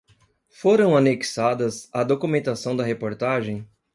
Foram anexadas à documentação da reportagem